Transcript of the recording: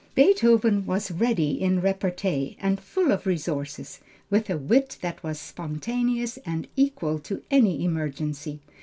Beethoven was ready in repartee, and full of resources, with a wit that was spontaneous and equal to any emergency.